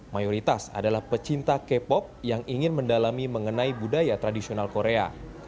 mayoritas adalah pecinta k pop yang ingin mendalami mengenai budaya tradisional korea